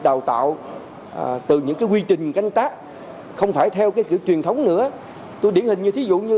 đào tạo từ những cái quy trình canh tác không phải theo cái kiểu truyền thống nữa tôi điển hình như